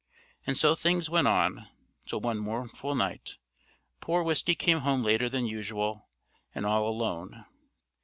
And so things went on, till one mournful night, poor Whiskey came home later than usual, and all alone.